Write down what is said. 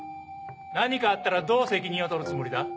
何かあったらどう責任を取るつもりだ？